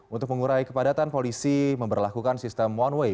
untuk mengurai kepadatan polisi memperlakukan sistem one way